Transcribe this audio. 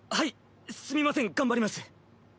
すみません頑張ります。